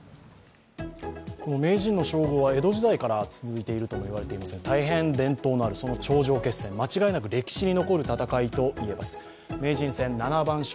名人の称号は江戸時代から続いているともいわれていますので大変伝統のあるその頂上決戦間違いなく歴史に残る戦いと言えます。